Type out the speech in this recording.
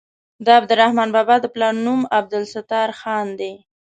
د عبدالرحمان بابا د پلار نوم عبدالستار خان دی.